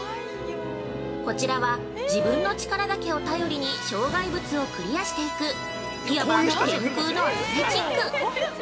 こちらは、自分の力だけを頼りに障害物をクリアしていくいわば天空のアスレチック！